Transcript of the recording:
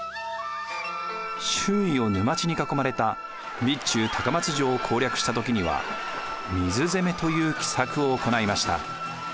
周囲を沼地に囲まれた備中高松城を攻略した時には水攻めという奇策を行いました。